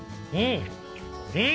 うん！